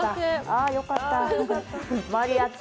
あ、よかった。